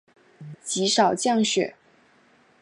极少降雪。